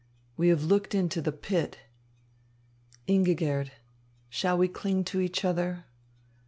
We have looked into the pit. Ingigerd, shall we cling to each other?